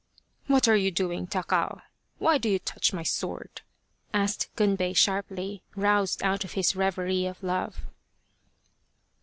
" What are you doing, Takao ! Why do you touch my sword ?" asked Gunbei sharply, roused out of his reverie of love.